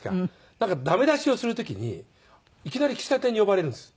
なんか駄目出しをする時にいきなり喫茶店に呼ばれるんです。